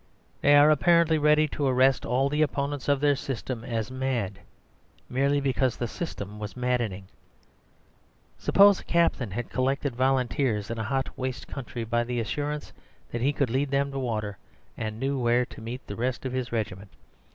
They are apparently ready to arrest all the opponents of their system as mad, merely because the system was maddening. Suppose a captain had collected volunteers in a hot, waste country by the assurance that he could lead them to water, and knew where to meet the rest of his regiment.